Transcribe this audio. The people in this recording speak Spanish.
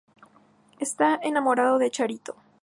Está enamorado de Charito.